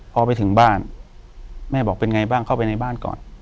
พอไปถึงบ้านแม่บอกเป็นไงบ้างเข้าไปในบ้านก่อน